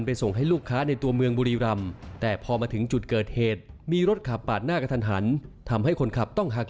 ไปส่งให้ลูกค้าในตัวเมืองบุรีรำ